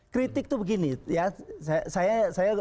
kritik itu seperti ini